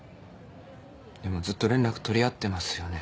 でもずっと連絡取り合ってますよね